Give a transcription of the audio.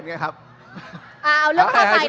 คุณเขตรัฐพยายามจะบอกว่าโอ้เลิกพูดเถอะประชาธิปไตย